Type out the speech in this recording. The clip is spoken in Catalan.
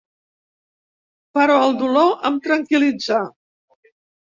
Però el dolor em tranquil·litzà